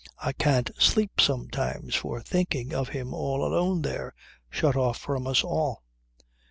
I can't sleep sometimes for thinking of him all alone there, shut off from us all."